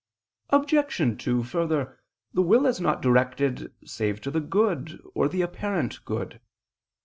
Obj. 2: Further, the will is not directed save to the good or the apparent good.